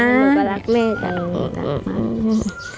ผมก็รักแม่อีก